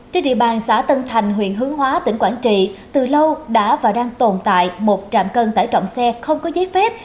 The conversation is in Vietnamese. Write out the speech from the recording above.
trên địa bàn xã tân thành huyện hướng hóa tỉnh quảng trị từ lâu đã và đang tồn tại một trạm cân tải trọng xe không có giấy phép